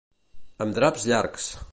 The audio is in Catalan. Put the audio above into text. Amb draps llargs.